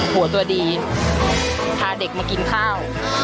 ตัวดีพาเด็กมากินข้าว